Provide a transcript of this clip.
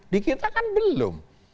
di kita kan belum